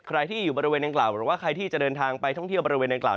ใครที่อยู่บริเวณดังกล่าวหรือว่าใครที่จะเดินทางไปท่องเที่ยวบริเวณดังกล่า